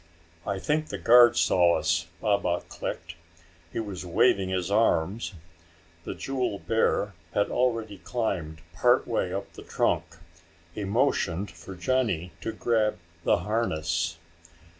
"I think the guard saw us," Baba clicked. "He was waving his arms." The jewel bear had already climbed part way up the trunk. He motioned for Johnny to grab the harness.